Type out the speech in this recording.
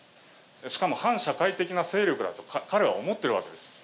しかも、反社会的な勢力だと彼は思っているわけです。